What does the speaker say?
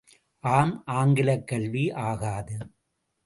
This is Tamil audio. ஆம் ஆங்கிலக் கல்வி ஆகாது.